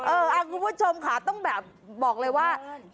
คุณผู้ชมค่ะต้องแบบบอกเลยว่า